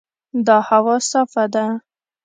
دا هوا صافه ده.